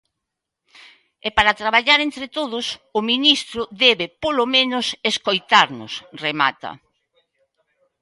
"E para traballar entre todos, o ministro debe, polo menos, escoitarnos", remata.